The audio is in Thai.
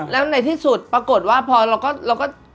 แล้วในที่สุดปรากฏว่าพอเราก็